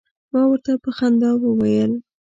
ما ورته په خندا وویل.